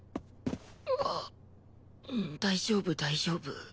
あ大丈夫大丈夫。